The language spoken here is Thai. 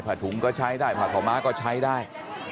ถุงก็ใช้ได้ผ้าขาวม้าก็ใช้ได้